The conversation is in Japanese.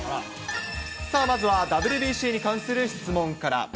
まずはＷＢＣに関する質問から。